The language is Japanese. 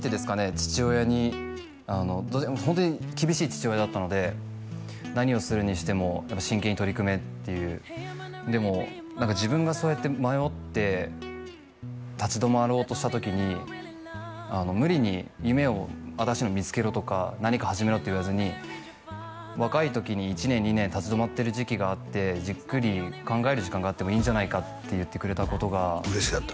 父親にホントに厳しい父親だったので何をするにしても真剣に取り組めっていうでも何か自分がそうやって迷って立ち止まろうとした時に無理に夢を新しいの見つけろとか何か始めろって言わずに若い時に１年２年立ち止まってる時期があってじっくり考える時間があってもいいんじゃないかって言ってくれたことが嬉しかった？